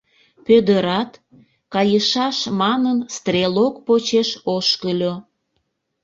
Пӧдырат, «кайышаш» манын, стрелок почеш ошкыльо.